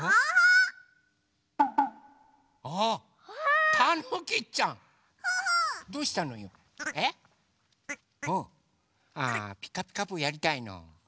あ「ピカピカブ！」やりたいの？